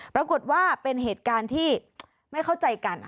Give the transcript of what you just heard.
ปรากฏว่าเป็นเหตุการณ์ที่ไม่เข้าใจกัน